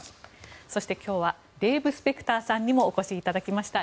そして、今日はデーブ・スペクターさんにもお越しいただきました。